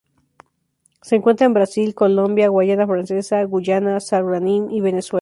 Se encuentra en Brasil, Colombia, Guayana Francesa, Guyana, Surinam y Venezuela.